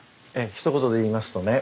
ひと言で言いますとね